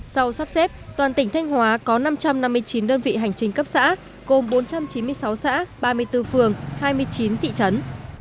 sau sắp xếp toàn tỉnh thanh hóa có năm trăm năm mươi chín đơn vị hành trình cấp xã gồm bốn trăm chín mươi sáu xã ba mươi bốn phường hai mươi chín thị trấn